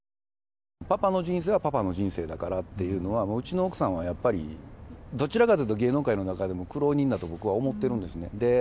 パパの人生はパパの人生だからっていうのはうちの奥さんはやっぱりどちらかというと芸能界の中でも苦労人だと僕は思っているんですね。